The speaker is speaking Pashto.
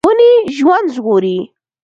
ونې ژوند ژغوري.